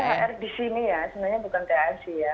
karena thr di sini ya sebenarnya bukan thr sih ya